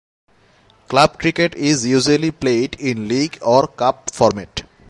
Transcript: Club cricket is usually played in league or cup format.